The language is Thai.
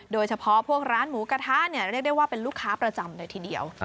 โดยเฉพาะพวกร้านหมูกระทะเนี่ยเรียกได้ว่าเป็นลูกค้าประจำเลยทีเดียว